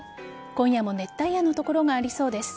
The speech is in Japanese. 今夜も熱帯夜の所がありそうです。